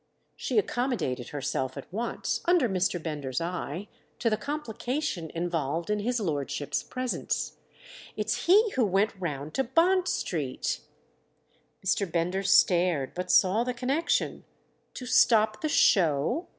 She accommodated herself at once, under Mr. Bender's eye, to the complication involved in his lordship's presence. "It's he who went round to Bond Street." Mr. Bender stared, but saw the connection. "To stop the show?"